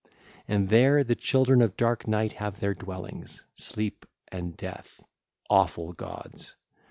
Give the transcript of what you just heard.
(ll. 758 766) And there the children of dark Night have their dwellings, Sleep and Death, awful gods.